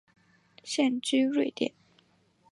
现居瑞典。